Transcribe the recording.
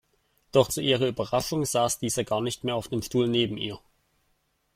Doch zu ihrer Überraschung saß dieser gar nicht mehr auf dem Stuhl neben ihr.